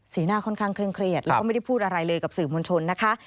หน้าค่อนข้างเคร่งเครียดแล้วก็ไม่ได้พูดอะไรเลยกับสื่อมวลชนนะคะ